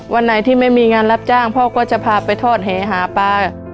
วันไหนที่ไม่มีงานรับจ้างพ่อก็จะพาไปทอดแหหาปลา